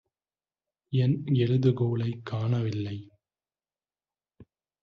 என் எழுதுகோலைக் காணவில்லை.